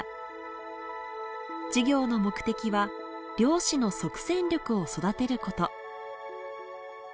授業の目的は漁師の即戦力を育てること。